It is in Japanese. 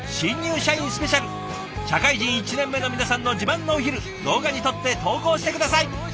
社会人１年目の皆さんの自慢のお昼動画に撮って投稿して下さい！